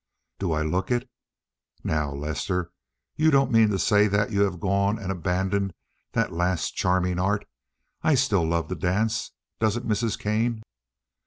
"Do I look it?" "Now, Lester, you don't mean to say that you have gone and abandoned that last charming art. I still love to dance. Doesn't Mrs. Kane?"